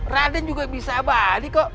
raden juga bisa balik kok